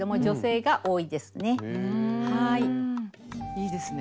いいですね。